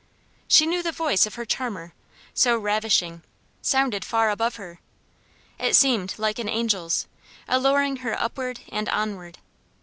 She knew the voice of her charmer, so ravishing, sounded far above her. It seemed like an angel's, alluring her upward and onward.